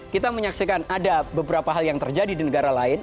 kita menyaksikan ada beberapa hal yang terjadi di negara lain